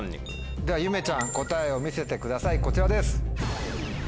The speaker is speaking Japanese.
ではゆめちゃん答えを見せてくださいこちらです。